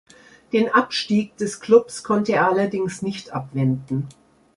Den Abstieg des Klubs konnte er allerdings nicht abwenden.